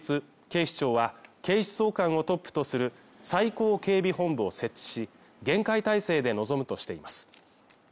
警視庁は警視総監をトップとする最高警備本部を設置し厳戒態勢で臨むとしています